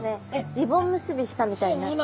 リボン結びしたみたいになって。